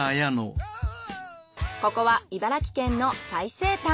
ここは茨城県の最西端。